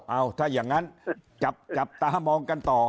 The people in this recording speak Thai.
เอาถ้าอย่างนั้นจับตามองกันต่อ